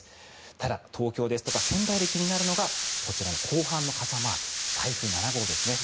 ただ、東京ですとか仙台で気になるのが後半の傘マーク台風７号ですね。